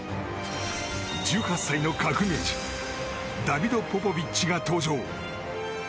１８歳の革命児ダビド・ポポビッチが登場！